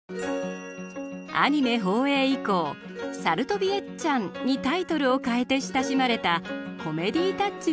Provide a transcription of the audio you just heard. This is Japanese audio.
アニメ放映以降「さるとびエッちゃん」にタイトルを変えて親しまれたコメディータッチの作品です。